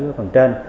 ở phần trên